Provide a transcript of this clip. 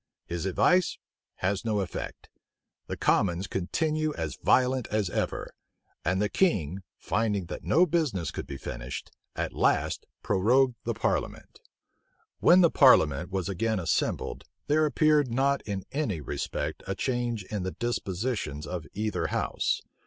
His advice has no effect: the commons continue as violent as ever; and the king, finding that no business could be finished, at last prorogued the parliament. When the parliament was again assembled, there appeared not in any respect a change in the dispositions of either house.